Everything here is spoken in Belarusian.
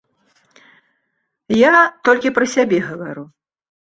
Я толькі пра сябе гавару.